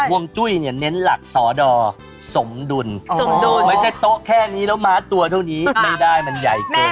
วงจุ้ยเนี่ยเน้นหลักสอดอสมดุลสมดุลไม่ใช่โต๊ะแค่นี้แล้วม้าตัวเท่านี้ไม่ได้มันใหญ่เกิน